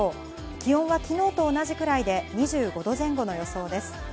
気温は昨日と同じくらいで２５度前後の予想です。